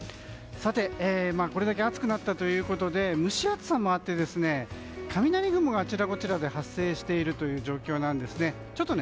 さて、これだけ暑くなったということで蒸し暑さもあって雷雲があちらこちらで発生しているという状況なんです。